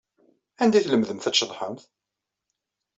Anda ay tlemdemt ad tceḍḥemt?